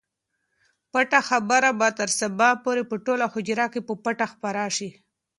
پټه خبره به تر سبا پورې په ټوله حجره کې په پټه خپره شي.